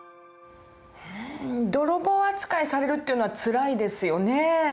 泥棒扱いされるっていうのはつらいですよね。